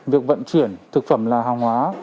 việc vận chuyển thực phẩm là hàng hóa